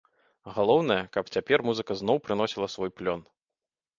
Галоўнае, каб цяпер музыка зноў прыносіла свой плён.